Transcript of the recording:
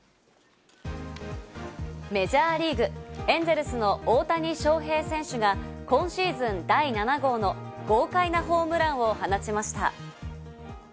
メジャーリーグ・エンゼルスの大谷翔平選手が今シーズン第７号の豪快なホームランを放ちました。